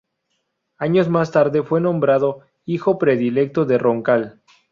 Años más tarde fue nombrado "Hijo predilecto de Roncal".